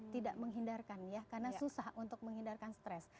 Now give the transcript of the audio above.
tidak menghindarkan ya karena susah untuk menghindarkan stres